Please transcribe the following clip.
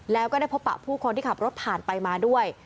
แล้วก็ได้พบปะผู้คนที่ขับรถผ่านไปมาด้วย